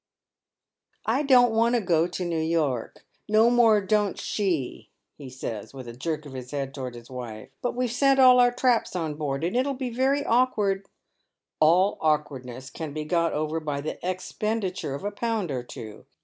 " I don't want to go to New York, no more don't she," he says, with a jerk of his head towards his wife ;" but we've sent aU our traps on board, and it '11 be very awkward "" All awkwardness can be got over by the expenditure of a pound or two.